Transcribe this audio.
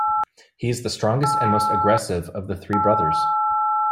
He is the strongest and most aggressive of the three brothers.